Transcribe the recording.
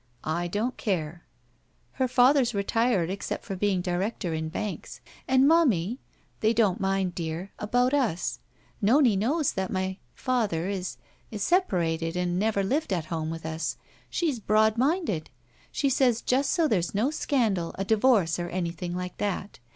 "I don't care." "Her father's retired except for being director in banks. And, momie — ^they don't mind, dear — about us. Nonie knows that my — ^father is — is separated and never lived at home with us. She's broad minded. She says just so there's no scandal, a divorce, or anything like that.